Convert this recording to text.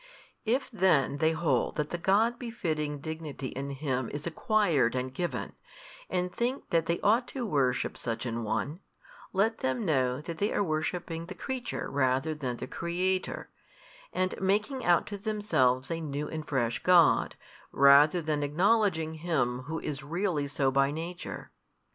If then they hold that the God befitting Dignity in Him is acquired and given, and think that they ought to worship such an one, let them know that they are worshipping the creature rather than the Creator, and making out to themselves a new and fresh God, rather than acknowledging Him Who is really so by Nature.